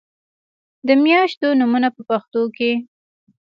د میاشتو نومونه په پښتو کې